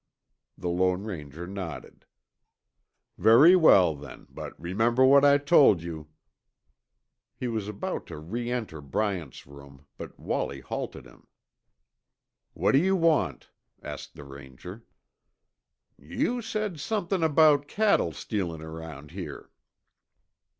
The Lone Ranger nodded. "Very well, then, but remember what I told you." He was about to re enter Bryant's room, but Wallie halted him. "What do you want?" asked the Ranger. "You said somethin' about cattle stealin' around here."